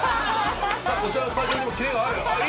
さあこちらのスタジオにもキレがある。